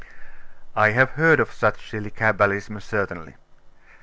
'I have heard such silly Cabbalisms, certainly.